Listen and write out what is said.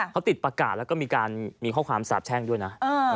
เขาติดประกาศแล้วก็มีการมีข้อความสาบแช่งด้วยนะ